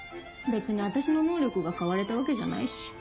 別に私の能力が買われたわけじゃないし。